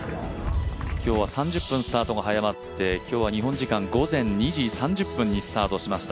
今日は３０分スタートが早まって、今日は日本時間午前２時３０分にスタートしました。